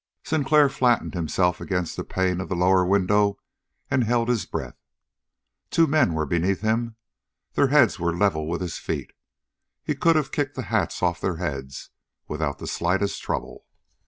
Sinclair flattened himself against the pane of the lower window and held his breath. Two men were beneath him. Their heads were level with his feet. He could have kicked the hats off their heads, without the slightest trouble.